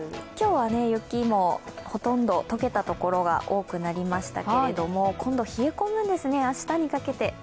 今日は雪もほとんど解けたところが多くなりましたけれども、今度冷え込むんですね、明日にかけて。